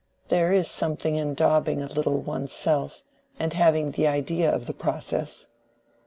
There is something in daubing a little one's self, and having an idea of the process."